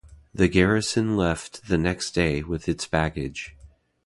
The garrison left the next day with its baggage.